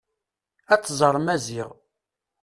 Ad tẓer Maziɣ.